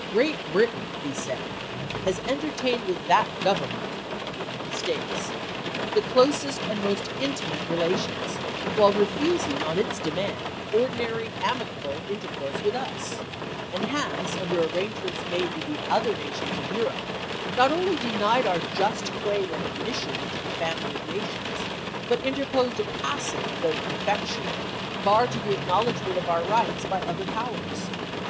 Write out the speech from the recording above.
" Great Britain," he said, " has ... entertained with that Government [the United States] the closest and most intimate relations, while refusing, on its demand, ordinary amicable inter course with us, and has, under arrangements made with the other nations of Europe, not only denied our just claim of admission into the family of nations, but interposed a passive, though effectual, bar to the acknowledgment of our rights by other powers.